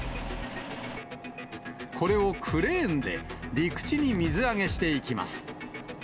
これをクレーンで陸地に水揚げしていきます。